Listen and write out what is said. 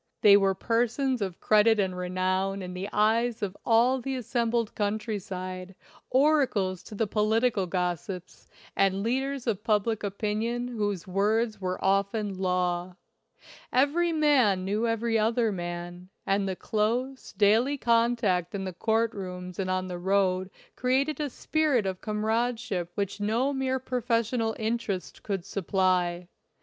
They were persons of credit and renown in the eyes of all the assembled coun try side, oracles to the political gossips, and leaders of public opinion whose words were often law. Every man knew every other man, and the close, daily contact in the court rooms and on the road created a spirit of comradeship which no mere professional interest could supply.